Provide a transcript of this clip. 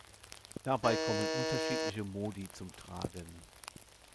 Dabei kommen unterschiedliche Modi zum Tragen.